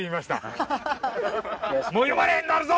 もう呼ばれへんようなるぞ！